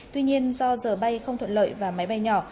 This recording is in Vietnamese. tuy nhiên do giờ bay không thuận lợi và máy bay nhỏ